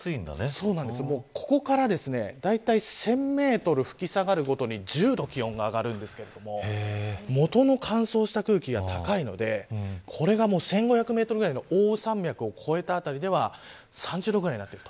ここからだいたい１０００メートル吹き下がるごとに１０度気温が上がるんですけれども元の乾燥した空気が高いのでこれが１５００メートルぐらいの奥羽山脈を越えた辺りでは３０度ぐらいになっている。